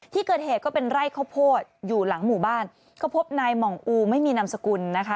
ที่เกิดเหตุก็เป็นไร่ข้าวโพดอยู่หลังหมู่บ้านก็พบนายหม่องอูไม่มีนามสกุลนะคะ